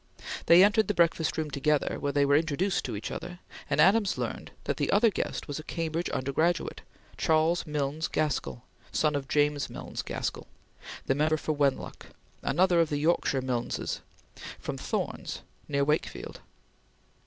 They entered the breakfastroom together, where they were introduced to each other, and Adams learned that the other guest was a Cambridge undergraduate, Charles Milnes Gaskell, son of James Milnes Gaskell, the Member for Wenlock; another of the Yorkshire Milneses, from Thornes near Wakefield.